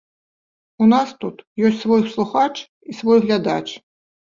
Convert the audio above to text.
У нас тут ёсць свой слухач і свой глядач.